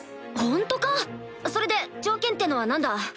ホントか⁉それで条件ってのは何だ？